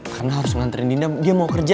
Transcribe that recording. karena harus nganterin dinda dia mau kerja